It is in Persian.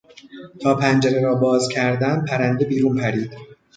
تا پنجره را باز کردم پرنده بیرون پرید.